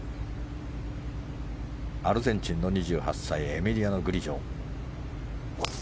アルゼンチンの２８歳エミリアノ・グリジョ。